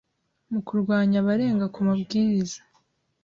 mu kurwanya abarenga ku mabwiriza